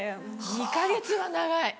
２か月は長い。